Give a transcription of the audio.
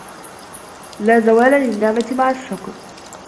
لَا زَوَالَ لِلنِّعْمَةِ مَعَ الشُّكْرِ